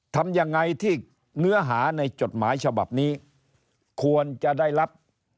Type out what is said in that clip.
ทำยังไงที่เนื้อหาในจดหมายฉบับนี้ควรจะได้รับ